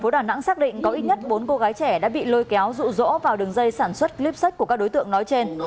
tp đà nẵng xác định có ít nhất bốn cô gái trẻ đã bị lôi kéo rụ rỗ vào đường dây sản xuất clip sách của các đối tượng nói trên